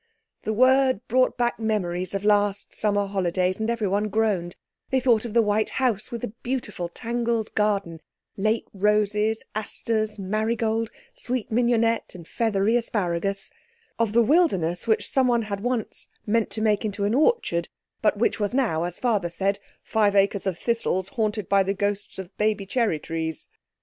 The word brought back memories of last summer holidays and everyone groaned; they thought of the white house with the beautiful tangled garden—late roses, asters, marigold, sweet mignonette, and feathery asparagus—of the wilderness which someone had once meant to make into an orchard, but which was now, as Father said, "five acres of thistles haunted by the ghosts of baby cherry trees".